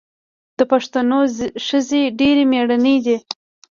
د پښتنو ښځې ډیرې میړنۍ دي.